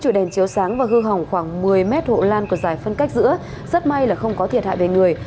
chiều đèn chiếu sáng và hư hỏng khoảng một mươi m hộ lan của giải phân cách giữa rất may là không có thiệt hại về người